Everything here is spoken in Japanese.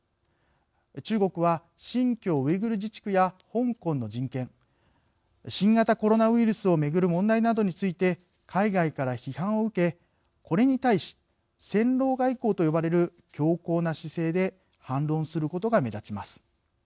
中国は新疆ウイグル自治区や香港の人権新型コロナウイルスをめぐる問題などについて海外から批判を受けこれに対し戦狼外交と呼ばれる強硬な姿勢で反論することが目立ちます。